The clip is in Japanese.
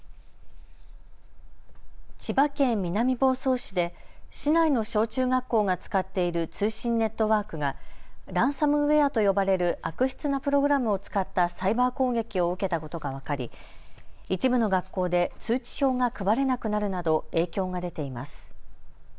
千葉県南房総市で市内の小中学校が使っている通信ネットワークがランサムウェアと呼ばれる悪質なプログラムを使ったサイバー攻撃を受けたことが分かり一部の学校で通知表が配れなくなるなど影響が出ています。